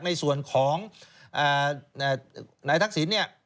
ในส่วนของนายทักษิณ